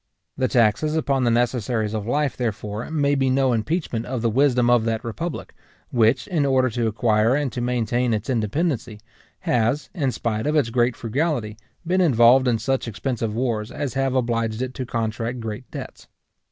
The taxes upon the necessaries of life, therefore, may be no impeachment of the wisdom of that republic, which, in order to acquire and to maintain its independency, has, in spite of its meat frugality, been involved in such expensive wars as have obliged it to contract great debts.